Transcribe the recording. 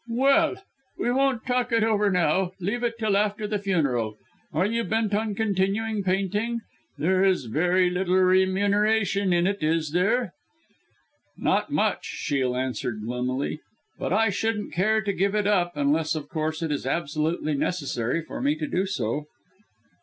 "Well! we won't talk it over now leave it till after the funeral. Are you bent on continuing painting? There is very little remuneration in it, is there?" "Not much," Shiel answered gloomily, "but I shouldn't care to give it up unless of course it is absolutely necessary for me to do so."